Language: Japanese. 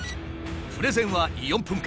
プレゼンは４分間。